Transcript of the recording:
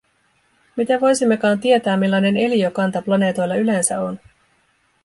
Miten voisimmekaan tietää, millainen eliökanta planeetoilla yleensä on?